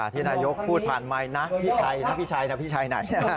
ที่นายกพูดผ่านไม้นะพี่ชัยหน่อย